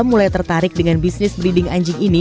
mulai tertarik dengan bisnis breeding anjing ini